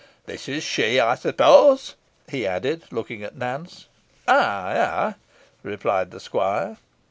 This is she, I suppose?" he added, looking at Nance. "Ay, ay!" replied the squire.